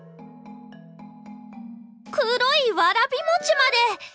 黒いわらび餅まで！